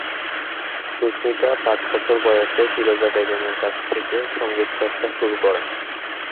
সুস্মিতা পাঁচ বছর বয়সে ফিরোজা বেগমের কাছ থেকে সঙ্গীত চর্চা শুরু করেন।